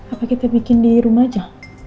apa kita bikin di rumah aja